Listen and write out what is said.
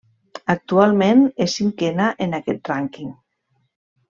Actualment és cinquena en aquest rànquing.